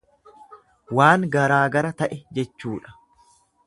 Waan garaagara ta'e jechuudha.